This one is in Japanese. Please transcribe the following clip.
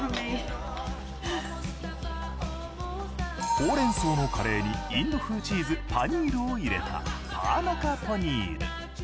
ほうれん草のカレーにインド風チーズパニールを入れたパーナカポニール。